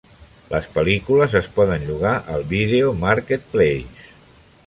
Les pel·lícules es poden llogar al Video Marketplace.